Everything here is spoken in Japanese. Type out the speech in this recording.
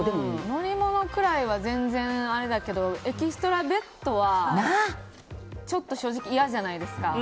乗り物くらいは全然あれだけどエキストラベッドは正直嫌じゃないですか。